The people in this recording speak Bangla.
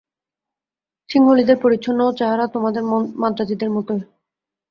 সিংহলীদের পরিচ্ছদ ও চেহারা তোমাদের মান্দ্রাজীদেরই মত।